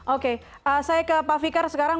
oke saya ke pak fikar sekarang